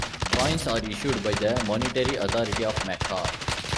Coins are issued by the Monetary Authority of Macau.